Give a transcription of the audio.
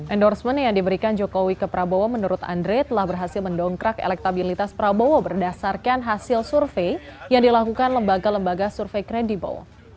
endorsement yang diberikan jokowi ke prabowo menurut andre telah berhasil mendongkrak elektabilitas prabowo berdasarkan hasil survei yang dilakukan lembaga lembaga survei kredibel